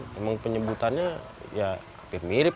memang penyebutannya ya mirip